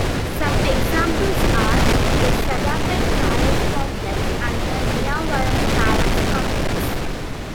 Some examples are the Sa'dabad Palace Complex and the Niavaran Palace Complex.